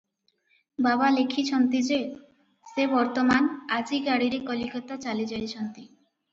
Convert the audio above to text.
"ବାବା ଲେଖିଚନ୍ତି ଯେ- ସେ ବର୍ତ୍ତମାନ ଆଜି ଗାଡ଼ିରେ କଲିକତା ଚାଲିଯାଇଚନ୍ତି ।